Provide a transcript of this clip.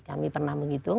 kami pernah menghitung